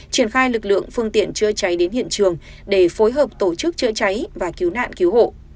triển khai lực lượng phương tiện chữa cháy đến hiện trường để phối hợp tổ chức chữa cháy và cứu nạn cứu hộ